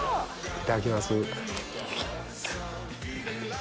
いただきます。